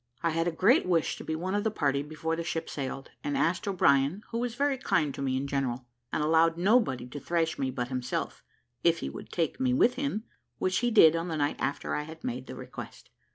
I had a great wish to be one of the party before the ship sailed, and asked O'Brien, who was very kind to me in general, and allowed nobody to thrash me but himself, if he would take me with him, which he did on the night after I had made the request.